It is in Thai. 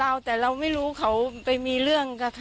ยังไงเราก็ไม่รู้